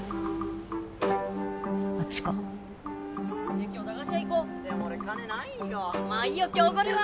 あっちか・ねえ今日駄菓子屋行こう・でも俺金ないんよまあいいよ今日おごるわ！